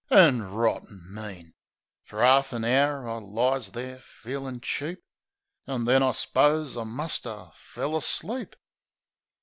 An' rotten mean! Fer 'arf an hour I lies there feelin' cheap; An' then I s'pose, I muster fell asleep.